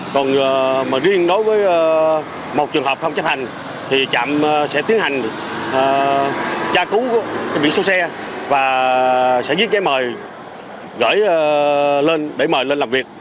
còn mà riêng đối với một trường hợp không chấp hành thì trạm sẽ tiến hành gia cứu bị xấu xe và sẽ viết giải mời gửi lên để mời lên làm việc